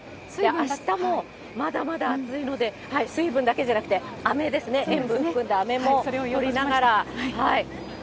あしたもまだまだ暑いので、水分だけじゃなくてあめですね、塩分含んだあめもとりながら。